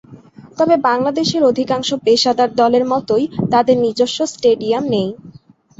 তবে বাংলাদেশের অধিকাংশ পেশাদার দলের মতই তাদের নিজস্ব স্টেডিয়াম নেই।